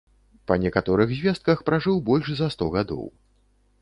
Па некаторых звестках пражыў больш за сто гадоў.